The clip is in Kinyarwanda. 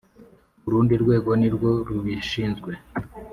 urundi rwego nirwo rubishinzwe.